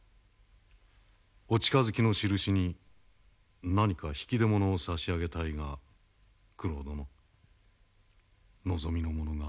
お近づきのしるしに何か引き出物を差し上げたいが九郎殿望みのものがござるかな？